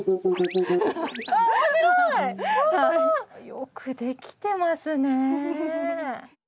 よく出来てますね。